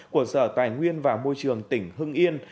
của sở tài nguyên và môi trường tỉnh hưng yên